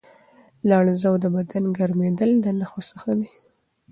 لړزه او د بدن ګرمېدل د نښو څخه دي.